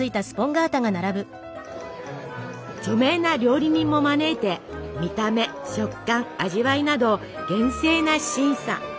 著名な料理人も招いて見た目食感味わいなど厳正な審査！